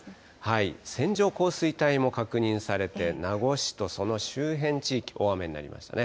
線状降水帯も確認されて、名護市とその周辺地域、大雨になりましたね。